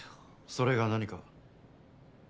それが何か？